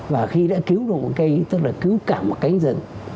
và khi đã cứu được một cây tức là cứu cả một cành dân